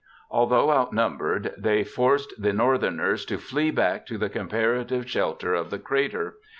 Although outnumbered, they forced the Northerners to flee back to the comparative shelter of the crater.